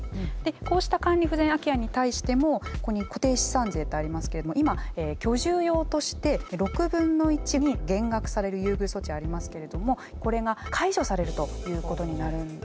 こうした管理不全空き家に対してもここに固定資産税ってありますけれども今居住用として６分の１に減額される優遇措置ありますけれどもこれが解除されるということになるんですね。